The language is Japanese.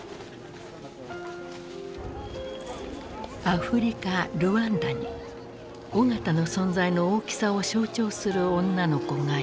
アフリカルワンダに緒方の存在の大きさを象徴する女の子がいる。